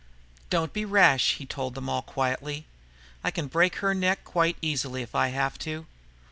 "Don't be rash," he told them all quietly. "I can break her neck quite easily, if I have to.